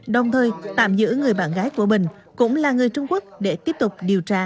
đồng thời tạm giữ người bạn gái của bình cũng là người trung quốc để tiếp tục điều tra